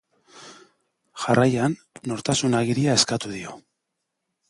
Jarraian, nortasun agiria eskatu dio.